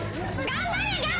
頑張れ！